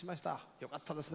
よかったですね。